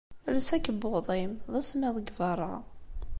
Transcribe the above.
Els akebbuḍ-im. D asemmiḍ deg beṛṛa.